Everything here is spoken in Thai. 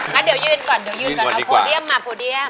งั้นเดี๋ยวยืนก่อนเอาโพเดียมมาโพเดียม